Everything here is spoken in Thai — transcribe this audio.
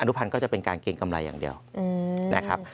ุพันธ์ก็จะเป็นการเกรงกำไรอย่างเดียวนะครับ